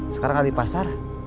sekarang ada di pasar